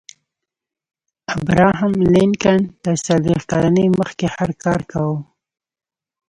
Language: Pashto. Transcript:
ابراهم لينکن تر څلوېښت کلنۍ مخکې هر کار کاوه.